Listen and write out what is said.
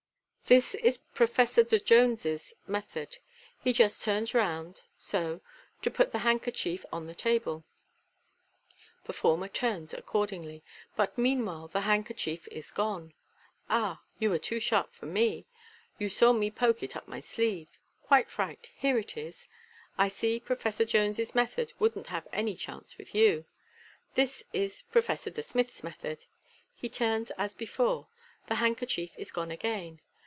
This is Professor De Jones's method. He just turns round, so, to put the handkerchief on the table" (performer turns accordingly), "but meanwhile the hand kerchief is gone. Ah, you were too sharp for me ! You saw me poke it up my sleeve } Quite right, here it is. I see Professor De MODERN MAGIC, 141 Jones's method wouldn't have any chance with you. This is Pro fessor De Smith's method." He turns as before. "The hand kerchief is gone again.